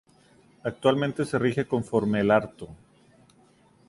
Actualmente se rige conforme el Arto.